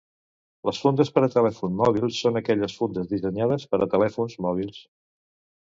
Les fundes per a telèfon mòbil són aquelles fundes dissenyades per a telèfons mòbils.